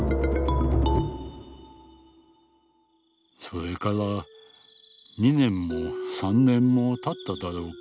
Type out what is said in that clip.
「それから二年も三年もたっただろうか。